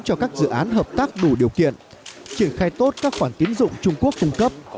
cho các dự án hợp tác đủ điều kiện triển khai tốt các khoản tiến dụng trung quốc cung cấp